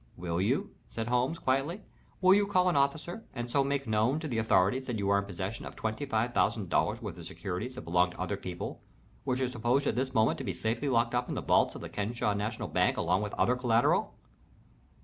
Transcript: "Will you?" said Holmes, quietly. "Will you call an officer and so make known to the authorities that you are in possession of twenty five thousand dollars worth of securities that belong to other people, which are supposed at this moment to be safely locked up in the vaults of the Kenesaw National Back along with other collateral?"